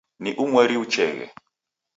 Ni umweri ucheghe